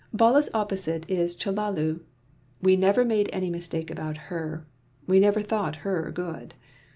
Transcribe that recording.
Bala's opposite is Chellalu. We never made any mistake about her. We never thought her good.